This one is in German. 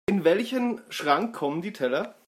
In welchen Schrank kommen die Teller?